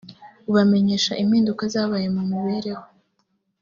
ubamenyesha impinduka zabaye mu mibereho